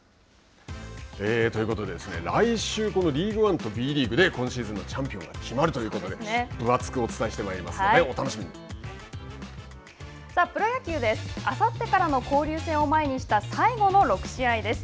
来週このリーグワンとＢリーグで今シーズンのチャンピオンが決まるということで分厚くお伝えしてまいりますのでプロ野球、あさってからの交流戦を前にした最後の６試合です。